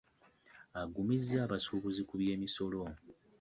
Agumizza abasuubuzi ku by'emisolo.